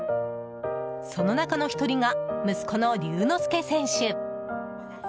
その中の１人が息子の龍之介選手。